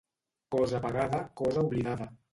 Cosa pagada, cosa oblidada.